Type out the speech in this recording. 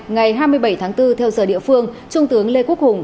ngày hai mươi bảy tháng bốn theo giờ địa phương trung tướng lê quốc hùng